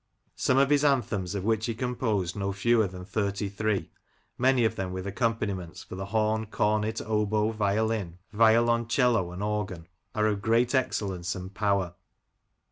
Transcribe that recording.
Some of his anthems, of which he composed no fewer than thirty three, many of them with accompaniments for the horn, cornet, oboe, violin, violoncello, and organ, are of great excellence and power.